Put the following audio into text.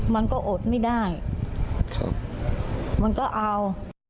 มันก็เอา